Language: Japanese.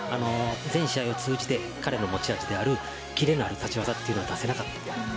全試合通じて彼の持ち味のキレのある立ち技は出せなかった。